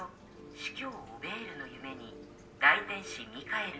司教オベールの夢に大天使ミカエルが現れ」